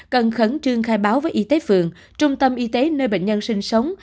cần khẩn trương khai báo với y tế phường trung tâm y tế nơi bệnh nhân sinh sống